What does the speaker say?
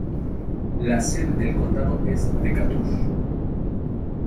La sede del condado es Decatur.